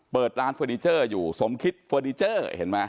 เปิดร้านเฟอร์นิเจอร์อยู่สมคิดเฟอร์นิเจอร์เห็นไหม